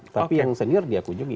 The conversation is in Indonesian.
tapi yang senior dia kunjungi